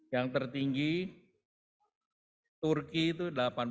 yang tertinggi turki itu delapan puluh delapan